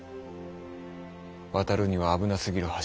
渡るには危なすぎる橋。